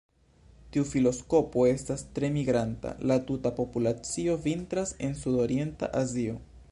Tiu filoskopo estas tre migranta; la tuta populacio vintras en sudorienta Azio.